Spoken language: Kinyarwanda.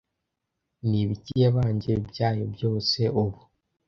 Nibiki yabanje Byayo byose ubu